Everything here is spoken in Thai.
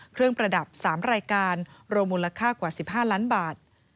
ประดับ๓รายการรวมมูลค่ากว่า๑๕ล้านบาท